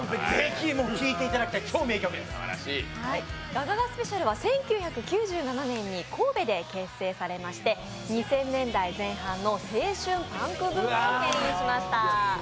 ガガガＳＰは１９９７年に神戸で結成されまして２０００年代前半の青春パンクブームをけん引しました。